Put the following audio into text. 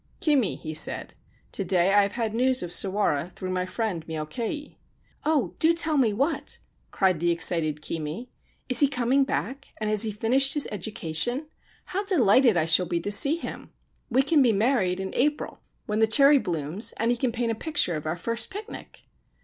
' Kimi/ he said, ' to day I have had news of Sawara through my friend Myokei.' ' Oh, do tell me what !' cried the excited Kimi. ' Is he coming back, and has he finished his education ? How delighted I shall be to see him ! We can be married in 234 The Kakemono Ghost of Aki Province April, when the cherry blooms, and he can paint a picture of our first picnic.'